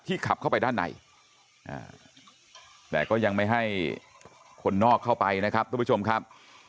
ขับเข้าไปด้านในแต่ก็ยังไม่ให้คนนอกเข้าไปนะครับทุกผู้ชมครับ